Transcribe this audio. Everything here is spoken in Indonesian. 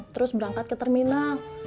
terus berangkat ke terminal